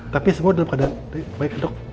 tapi semua dalam keadaan baik dok